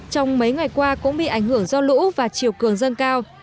trong mấy ngày qua cũng bị ảnh hưởng do lũ và chiều cường dâng cao